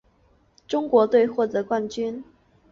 中国队获得冠军。